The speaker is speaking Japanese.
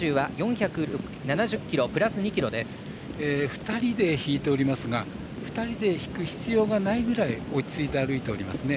２人で引いておりますが２人で引く必要がないぐらい落ち着いて歩いていますね。